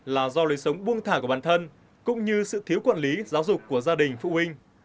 là do lời sống buông thả của bản thân cũng như sự thiếu quản lý giáo dục của gia đình phụ huynh